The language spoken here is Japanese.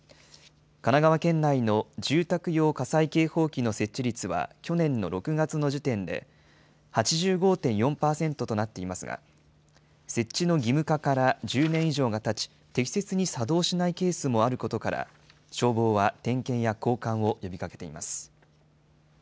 神奈川県内の住宅用火災警報器の設置率は去年の６月の時点で８５．４％となっていますが、設置の義務化から１０年以上がたち、適切に作動しないケースもあることから、消防は点検や交換を呼びかけています。